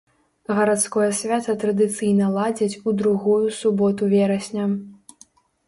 Гарадское свята традыцыйна ладзяць у другую суботу верасня.